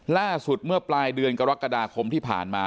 ล่าสุดเมื่อปลายเดือนกรกฎาคมที่ผ่านมา